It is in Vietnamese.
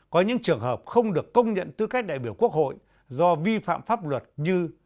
có những trường hợp không được công nhận tư cách đại biểu quốc hội do vi phạm pháp luật như